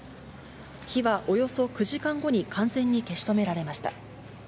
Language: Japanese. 火はおよそ９時間後に完全に消し止められました。